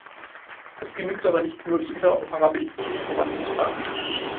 Es genügt aber nicht, nur die Interoperabilität voranzutreiben.